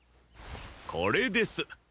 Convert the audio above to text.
これです。